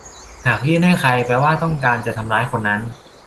หากยื่นให้ใครแปลว่าต้องการจะทำร้ายคนนั้น